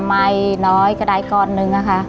ไม้น้อยก็ได้กรอบหนึ่งค่ะ